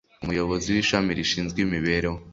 umuyobozi w ishami rishinzwe imibereho